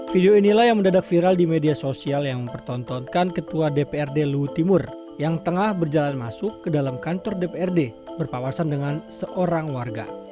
video inilah yang mendadak viral di media sosial yang mempertontonkan ketua dprd luhut timur yang tengah berjalan masuk ke dalam kantor dprd berpawasan dengan seorang warga